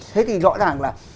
thế thì rõ ràng là